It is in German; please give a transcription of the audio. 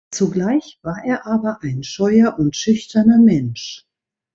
Zugleich war er aber ein scheuer und schüchterner Mensch.